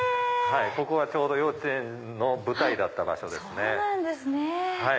ここはちょうど幼稚園の舞台だった場所ですね。